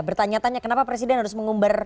bertanya tanya kenapa presiden harus mengumbar